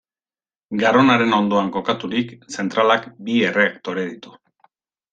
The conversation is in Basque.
Garonaren ondoan kokaturik, zentralak bi erreaktore ditu.